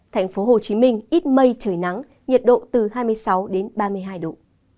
thành phố hồ chí minh ít mây trời nắng nhà độ từ hai mươi sáu ba mươi hai độ